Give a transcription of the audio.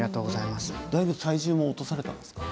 だいぶ体重も落とされたんですか？